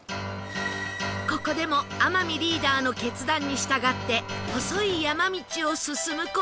ここでも天海リーダーの決断に従って細い山道を進む事に